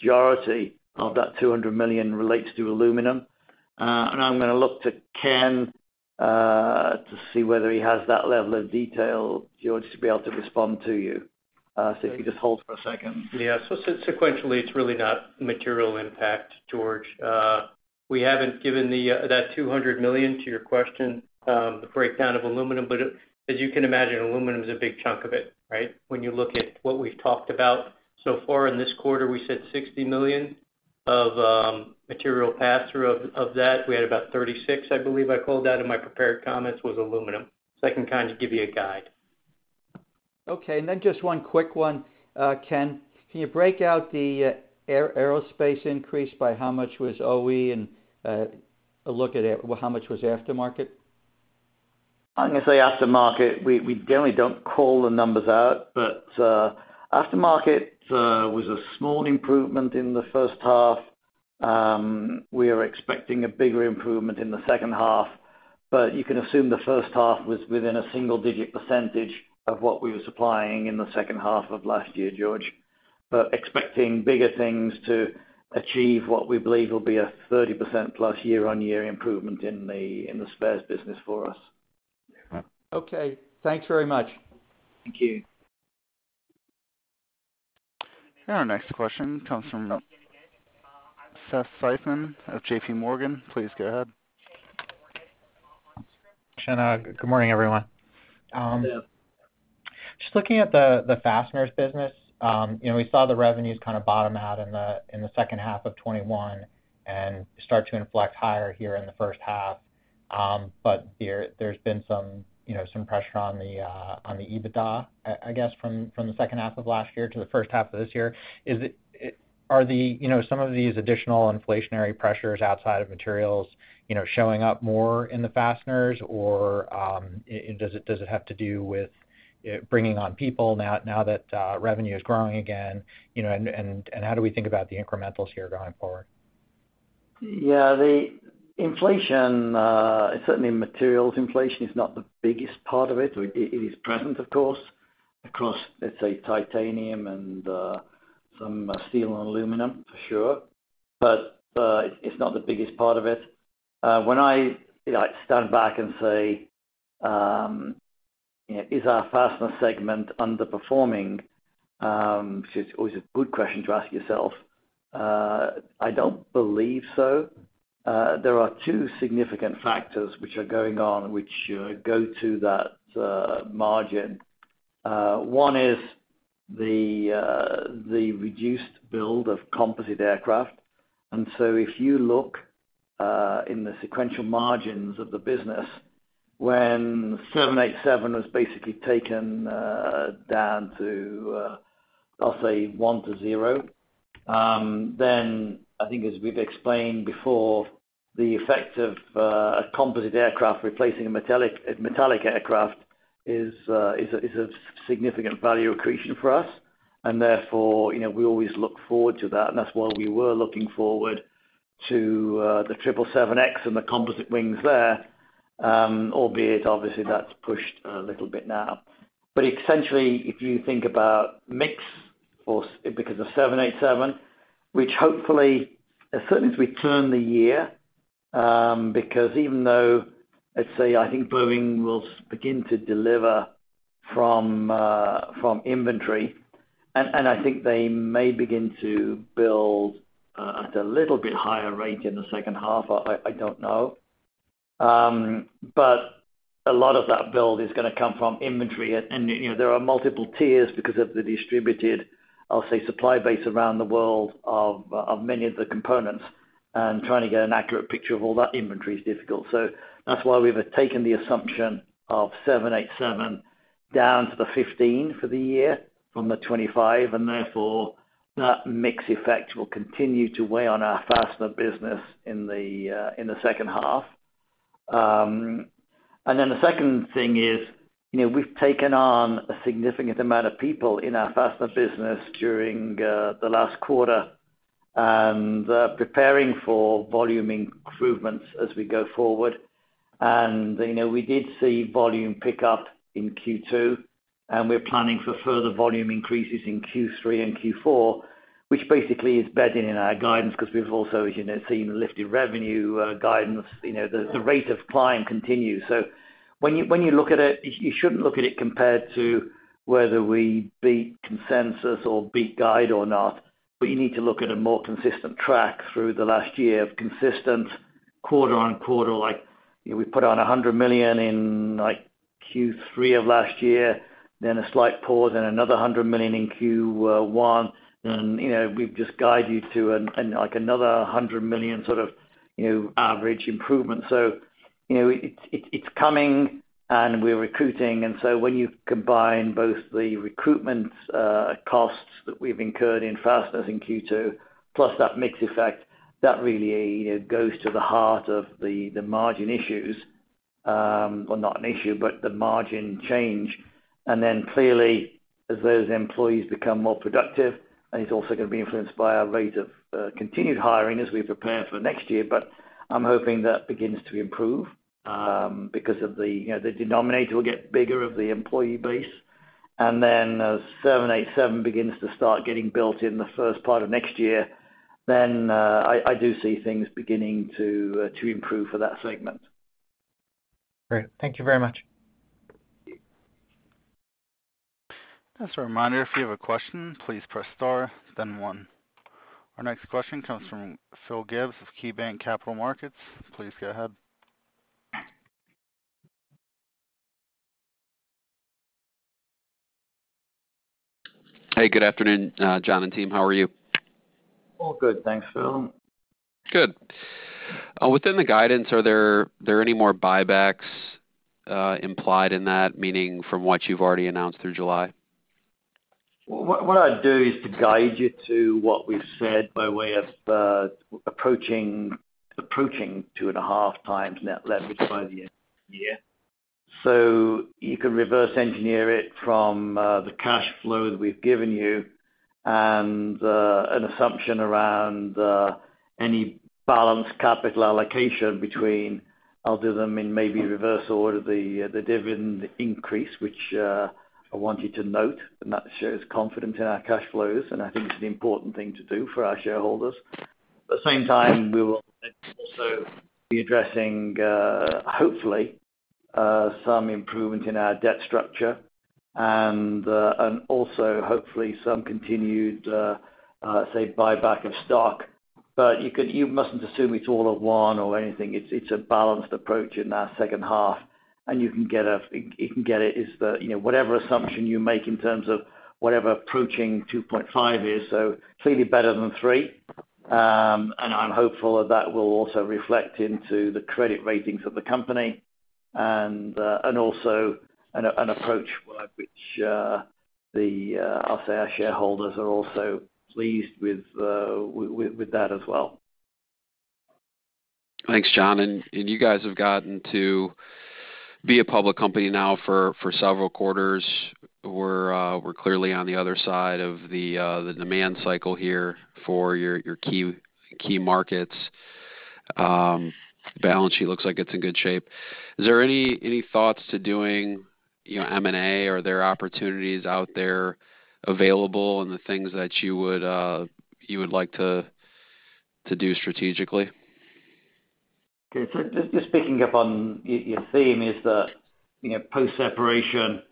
majority of that $200 million relates to aluminum. I'm gonna look to Ken to see whether he has that level of detail, George, to be able to respond to you. If you just hold for a second. Yeah. Sequentially, it's really not material impact, George. We haven't given that $200 million to your question, the breakdown of aluminum, but as you can imagine, aluminum is a big chunk of it, right? When you look at what we've talked about so far in this quarter, we said $60 million of material pass-through. Of that, we had about $36 million, I believe I called out in my prepared comments, was aluminum. I can kind of give you a guide. Okay. Just one quick one. Ken, can you break out the aerospace increase by how much was OE and how much was aftermarket? I'm gonna say aftermarket. We generally don't call the numbers out, but aftermarket was a small improvement in the first half. We are expecting a bigger improvement in the second half, but you can assume the first half was within a single-digit percentage of what we were supplying in the second half of last year, George. Expecting bigger things to achieve what we believe will be a 30%+ year-on-year improvement in the spares business for us. Okay. Thanks very much. Thank you. Our next question comes from Seth Seifman of JPMorgan. Please go ahead. Seth Seifman. Good morning, everyone. Yeah. Just looking at the fasteners business, we saw the revenues kind of bottom out in the second half of 2021 and start to inflect higher here in the first half. There's been some pressure on the EBITDA, I guess from the second half of last year to the first half of this year. Are some of these additional inflationary pressures outside of materials showing up more in the fasteners or does it have to do with bringing on people now that revenue is growing again? How do we think about the incrementals here going forward? Yeah. The inflation, certainly materials inflation is not the biggest part of it. It is present, of course, across, let's say, titanium and, some steel and aluminum, for sure. It's not the biggest part of it. When I, you know, stand back and say, you know, is our Fastener segment underperforming? Which is always a good question to ask yourself. I don't believe so. There are two significant factors which are going on, which go to that margin. One is the reduced build of composite aircraft. If you look in the sequential margins of the business, when 787 was basically taken down to, I'll say 10%-0%, then I think as we've explained before, the effect of a composite aircraft replacing a metallic aircraft is a significant value accretion for us. Therefore, you know, we always look forward to that, and that's why we were looking forward to the 777X and the composite wings there. Albeit obviously that's pushed a little bit now. Essentially, if you think about mix or because of 787, which hopefully as soon as we turn the year, because even though, let's say, I think Boeing will begin to deliver from inventory, and I think they may begin to build, at a little bit higher rate in the second half. I don't know. A lot of that build is gonna come from inventory and, you know, there are multiple tiers because of the distributed, I'll say, supply base around the world of many of the components. Trying to get an accurate picture of all that inventory is difficult. That's why we've taken the assumption of 787 down to the 15 for the year from the 25, and therefore that mix effect will continue to weigh on our fastener business in the second half. The second thing is, you know, we've taken on a significant amount of people in our fastener business during the last quarter and preparing for volume improvements as we go forward. You know, we did see volume pick up in Q2, and we're planning for further volume increases in Q3 and Q4, which basically is bedding in our guidance because we've also, as you know, seen lifted revenue guidance. You know, the rate of climb continues. When you look at it, you shouldn't look at it compared to whether we beat consensus or beat guide or not. You need to look at a more consistent track through the last year of consistent quarter-over-quarter. Like, you know, we put on $100 million in like Q3 of last year, then a slight pause and another $100 million in Q1. You know, we've just guided you to like another $100 million sort of, you know, average improvement. You know, it's coming, and we're recruiting. When you combine both the recruitment costs that we've incurred in fasteners in Q2, plus that mix effect, that really, you know, goes to the heart of the margin issues, or not an issue, but the margin change. Then clearly, as those employees become more productive, and it's also gonna be influenced by our rate of continued hiring as we prepare for next year. I'm hoping that begins to improve because of the, you know, the denominator will get bigger of the employee base. As 787 begins to start getting built in the first part of next year, I do see things beginning to improve for that segment. Great. Thank you very much. Just a reminder, if you have a question, please press star then one. Our next question comes from Phil Gibbs of KeyBanc Capital Markets. Please go ahead. Hey, good afternoon, John and team. How are you? All good. Thanks, Phil. Good. Within the guidance, are there any more buybacks implied in that? Meaning from what you've already announced through July. What I'd do is to guide you to what we've said by way of approaching 2.5x net leverage by the end of the year. You can reverse engineer it from the cash flow that we've given you and an assumption around any balanced capital allocation between. I'll do them in maybe reverse order, the dividend increase, which I want you to note, and that shows confidence in our cash flows, and I think it's an important thing to do for our shareholders. At the same time, we will also be addressing hopefully some improvement in our debt structure, and also hopefully some continued say buyback of stock. You mustn't assume it's all of one or anything. It's a balanced approach in that second half, and you can get it as the, you know, whatever assumption you make in terms of whatever approaching 2.5 is, so clearly better than 3. I'm hopeful that that will also reflect into the credit ratings of the company, and also an approach which, I'll say, our shareholders are also pleased with that as well. Thanks, John. You guys have gotten to be a public company now for several quarters. We're clearly on the other side of the demand cycle here for your key markets. The balance sheet looks like it's in good shape. Is there any thoughts to doing, you know, M&A? Are there opportunities out there available and the things that you would like to do strategically? Okay. Just picking up on your theme is that, you know, post-separation,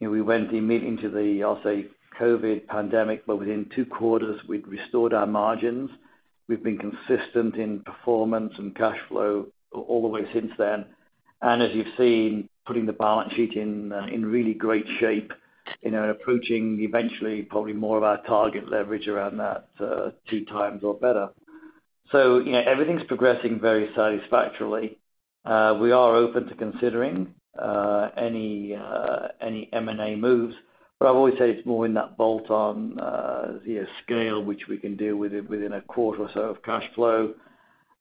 you know, we went immediately into the, I'll say, COVID pandemic, but within two quarters, we'd restored our margins. We've been consistent in performance and cash flow all the way since then. As you've seen, putting the balance sheet in really great shape, you know, approaching eventually probably more of our target leverage around that two times or better. You know, everything's progressing very satisfactorily. We are open to considering any M&A moves, but I've always said it's more in that bolt on, you know, scale, which we can do within a quarter or so of cash flow.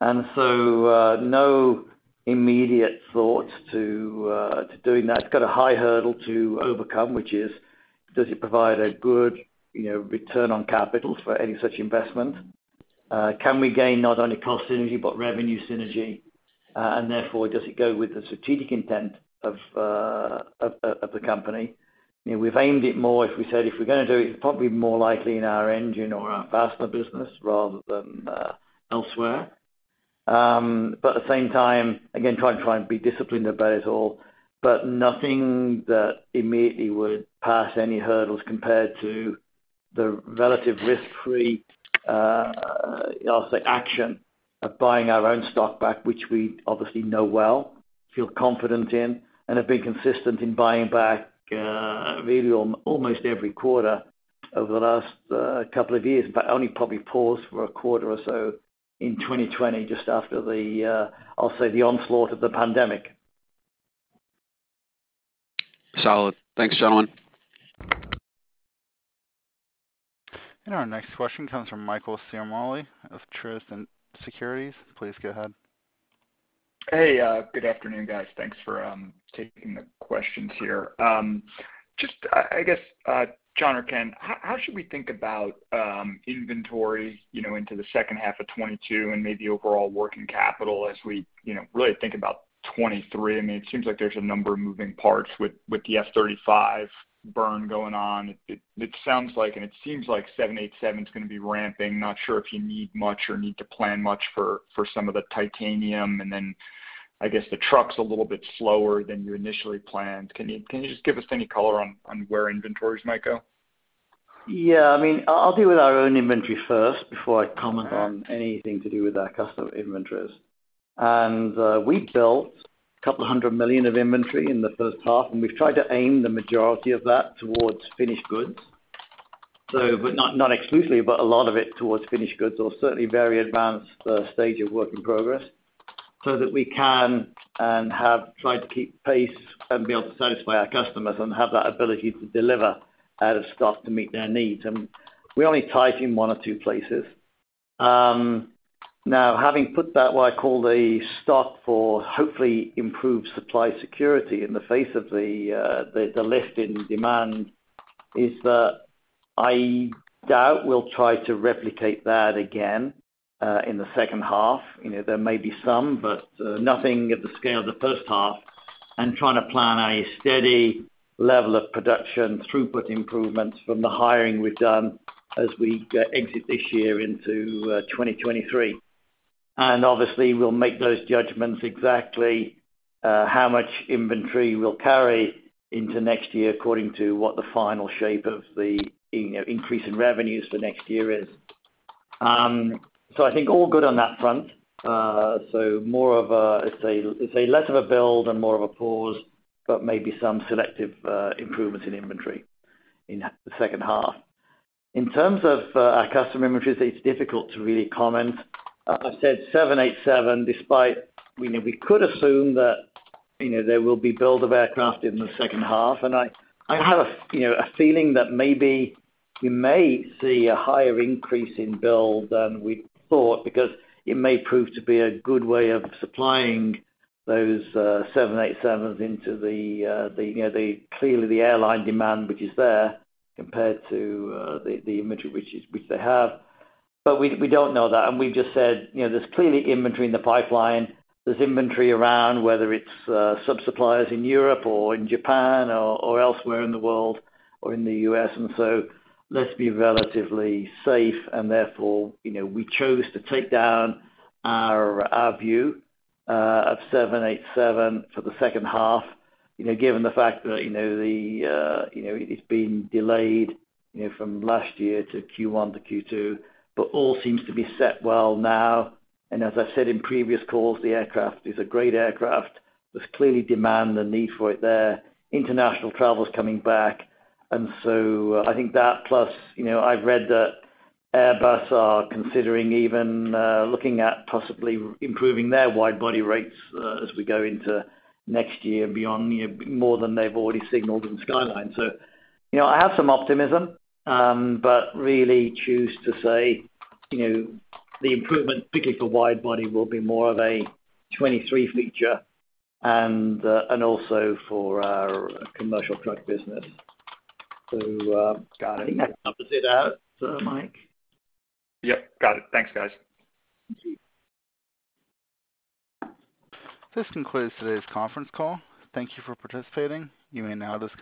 No immediate thought to doing that. It's got a high hurdle to overcome, which is does it provide a good, you know, return on capital for any such investment? Can we gain not only cost synergy but revenue synergy? And therefore, does it go with the strategic intent of the company? You know, we've aimed it more if we said, if we're gonna do it's probably more likely in our engine or our fastener business rather than elsewhere. At the same time, again, try and be disciplined about it all. Nothing that immediately would pass any hurdles compared to the relative risk-free, I'll say, action of buying our own stock back, which we obviously know well, feel confident in, and have been consistent in buying back really on almost every quarter over the last couple of years. Only probably paused for a quarter or so in 2020 just after the, I'll say, the onslaught of the pandemic. Solid. Thanks, John. Our next question comes from Michael Ciarmoli of Truist Securities. Please go ahead. Hey, good afternoon, guys. Thanks for taking the questions here. Just, I guess, John or Ken, how should we think about inventory, you know, into the second half of 2022 and maybe overall working capital as we, you know, really think about 2023? I mean, it seems like there's a number of moving parts with the F-35 burn going on. It sounds like and it seems like 787's gonna be ramping. Not sure if you need much or need to plan much for some of the titanium. Then I guess the truck's a little bit slower than you initially planned. Can you just give us any color on where inventories might go? Yeah. I mean, I'll deal with our own inventory first before I comment on anything to do with our customer inventories. We built $200 million of inventory in the first half, and we've tried to aim the majority of that towards finished goods. So, but not exclusively, but a lot of it towards finished goods or certainly very advanced stage of work in progress, so that we can and have tried to keep pace and be able to satisfy our customers and have that ability to deliver out of stock to meet their needs. We only tied in one or two places. Now, having put that what I call the stock for hopefully improved supply security in the face of the lift in demand, that is, I doubt we'll try to replicate that again in the second half. You know, there may be some, but nothing at the scale of the first half. Trying to plan a steady level of production throughput improvements from the hiring we've done as we exit this year into 2023. Obviously, we'll make those judgments exactly how much inventory we'll carry into next year according to what the final shape of the increase in revenues for next year is. So I think all good on that front. So more of a, it's a less of a build and more of a pause, but maybe some selective improvements in inventory in the second half. In terms of our customer inventories, it's difficult to really comment. As I've said, 787, despite, you know, we could assume that, you know, there will be build of aircraft in the second half. I have a feeling that maybe we may see a higher increase in build than we thought because it may prove to be a good way of supplying those 787s into the clearly the airline demand, which is there compared to the inventory which they have. We don't know that. We've just said, you know, there's clearly inventory in the pipeline. There's inventory around whether it's sub-suppliers in Europe or in Japan or elsewhere in the world or in the U.S. Let's be relatively safe and therefore, you know, we chose to take down our view of 787 for the second half, you know, given the fact that, you know, it's been delayed, you know, from last year to Q1 to Q2. All seems to be set well now. As I've said in previous calls, the aircraft is a great aircraft. There's clearly demand and need for it there. International travel is coming back. I think that plus, you know, I've read that Airbus are considering even looking at possibly improving their wide-body rates as we go into next year and beyond, you know, more than they've already signaled in Skywise. You know, I have some optimism, but really choose to say, you know, the improvement, particularly for wide-body, will be more of a 2023 feature and also for our commercial truck business. Got anything else to add to that, Mike? Yep, got it. Thanks, guys. This concludes today's conference call. Thank you for participating. You may now disconnect.